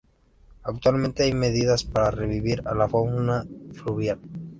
Actualmente, hay medidas para revivir la fauna fluvial.